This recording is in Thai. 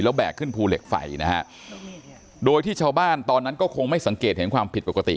แบกขึ้นภูเหล็กไฟนะฮะโดยที่ชาวบ้านตอนนั้นก็คงไม่สังเกตเห็นความผิดปกติ